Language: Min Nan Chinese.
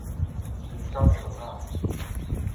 新港糖仔